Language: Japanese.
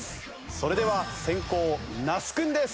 それでは先攻那須君です。